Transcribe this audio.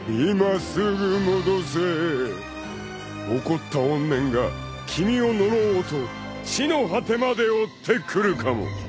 ［怒った怨念が君を呪おうと地の果てまで追ってくるかも］